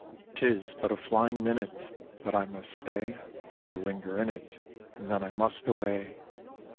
'Tis but a flying minute, That I must stay, Or linger in it: And then I must away.